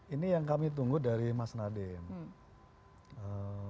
ini yang kami tunggu dari mas nadiem